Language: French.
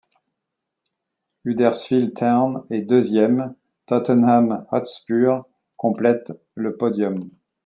Huddersfield Town est deuxième, Tottenham Hotspur complète le podium.